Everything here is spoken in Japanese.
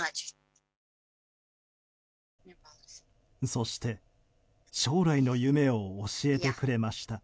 そして、将来の夢を教えてくれました。